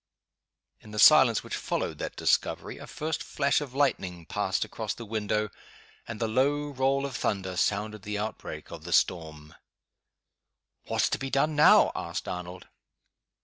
In the silence which followed that discovery, a first flash of lightning passed across the window and the low roll of thunder sounded the outbreak of the storm. "What's to be done now?" asked Arnold.